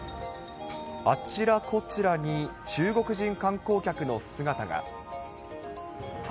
あちらこちらに中国人観光客の姿が。